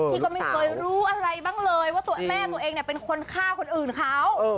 ที่ก็ไม่เคยรู้อะไรบ้างเลยว่าแม่ตัวเองเป็นคนฆ่าคนอื่นเขา